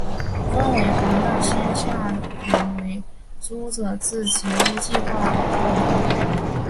分为黄大仙下邨为租者置其屋计划屋邨。